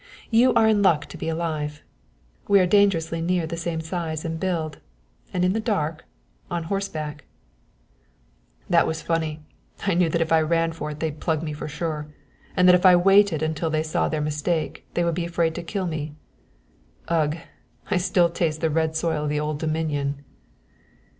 You are in luck to be alive. We are dangerously near the same size and build and in the dark on horseback " "That was funny. I knew that if I ran for it they'd plug me for sure, and that if I waited until they saw their mistake they would be afraid to kill me. Ugh! I still taste the red soil of the Old Dominion."